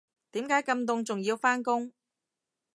點解咁凍仲要返工